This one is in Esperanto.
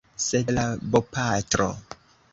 Sed la bopatro…